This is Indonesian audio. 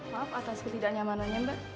maaf atas ketidaknyamanannya mbak